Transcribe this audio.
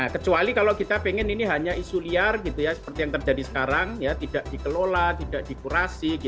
kecuali kalau kita ingin ini hanya isu liar seperti yang terjadi sekarang tidak dikelola tidak dikurasi